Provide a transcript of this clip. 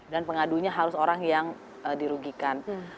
dan pengadunya harus orang yang dirugikan